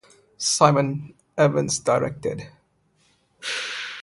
Simon Evans directed.